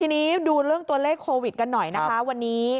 ทีนี้ดูเรื่องตัวเลขโควิดกันหน่อยนะคะวันนี้